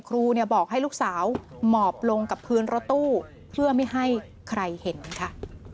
ครูบอกให้ลูกสาวหมอบลงกับพื้นรถตู้เพื่อไม่ให้ใครเห็นค่ะ